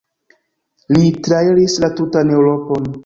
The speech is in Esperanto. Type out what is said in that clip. Li trairis la tutan Eŭropon.